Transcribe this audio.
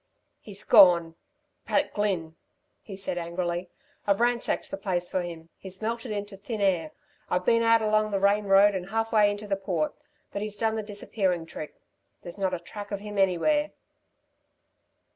"He's gone Pat Glynn!" he said angrily. "I've ransacked the place for him. He's melted into thin air. I've been out along the Rane road and half way into the Port; but he's done the disappearing trick. There's not a track of him anywhere."